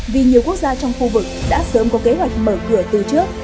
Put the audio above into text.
vì nhiều quốc gia trong khu vực đã sớm có kế hoạch mở cửa từ trước